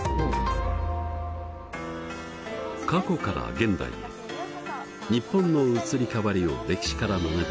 過去から現代へ日本の移り変わりを歴史から学び